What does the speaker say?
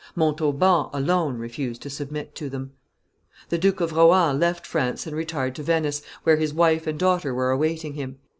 Montauban alone refused to submit to them. The Duke of Rohan left France and retired to Venice, where his wife and daughter were awaiting him.